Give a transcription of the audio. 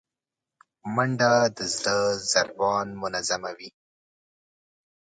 منډه د زړه ضربان منظموي